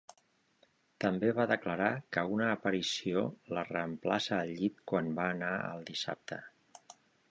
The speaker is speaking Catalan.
També va declarar que una aparició la reemplaça al llit quan va anar al dissabte.